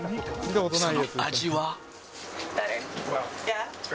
その味は？